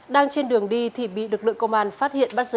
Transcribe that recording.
đang trên đường đi thì bị lực lượng công an phát hiện bắt giữ